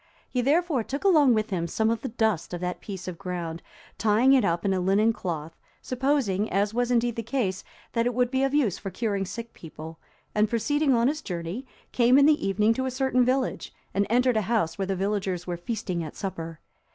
He therefore took along with him some of the dust of that piece of ground, tying it up in a linen cloth, supposing, as was indeed the case, that it would be of use for curing sick people, and proceeding on his journey, came in the evening to a certain village, and entered a house where the villagers were feasting at supper.